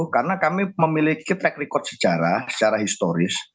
karena kami memiliki track record secara secara historis